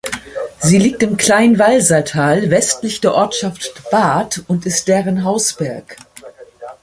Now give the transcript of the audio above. Sie liegt im Kleinwalsertal westlich der Ortschaft Baad und ist deren Hausberg.